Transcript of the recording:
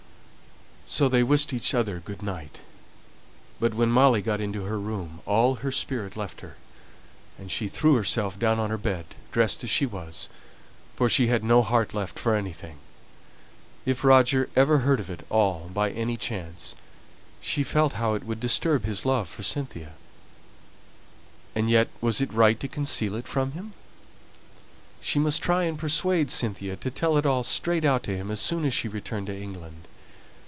So they wished each other good night. But when Molly got into her room all her spirit left her; and she threw herself down on her bed, dressed as she was, for she had no heart left for anything. If Roger ever heard of it all by any chance, she felt how it would disturb his love for Cynthia. And yet was it right to conceal it from him? She must try and persuade Cynthia to tell it all straight out to him as soon as he returned to England.